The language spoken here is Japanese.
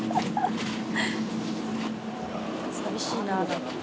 寂しいな。